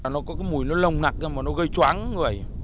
nó có cái mùi nó lồng nặc ra mà nó gây choáng người